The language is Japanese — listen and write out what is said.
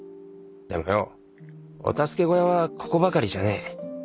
でもよお助け小屋はここばかりじゃねえ。